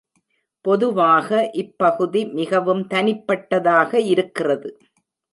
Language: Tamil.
பொதுவாக, இப்பகுதி மிகவும் தனிப்பட்டதாக இருக்கிறது.